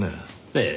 ええ。